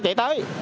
nó chạy đến rồi